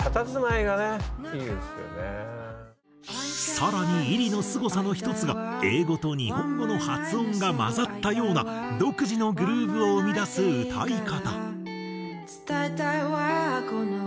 更にｉｒｉのすごさの１つが英語と日本語の発音が混ざったような独自のグルーヴを生み出す歌い方。